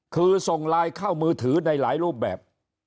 คือส่งไลน์เข้ามือถือในหลายรูปแบบ